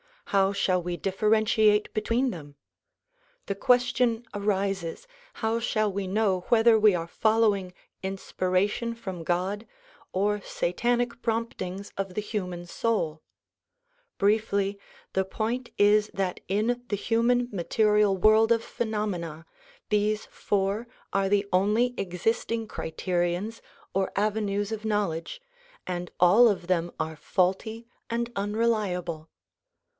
How shall we differentiate between them? The question arises, How shall we know whether we are following in spiration from God or satanic promptings of the human soul? Briefly, the point is that in the human material world of phenom ena these four are the only existing criterions or avenues of knowl edge, and all of them are faulty and unreliable.